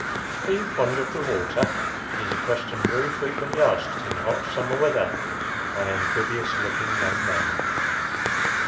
" ARE you fond of the water ?" is a question very frequently asked, in hot summer weather, by amphibious looking young men.